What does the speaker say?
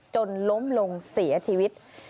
จนล้มลงเสียชีวิต